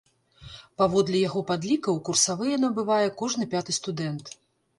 Паводле яго падлікаў, курсавыя набывае кожны пяты студэнт.